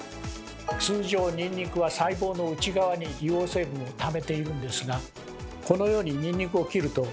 通常ニンニクは細胞の内側に硫黄成分をためているんですがこのようにニンニクを切ると。